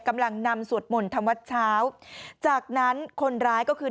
กำลังนำสวดหม่นธรรมชาวจากนั้นคนร้ายก็คือ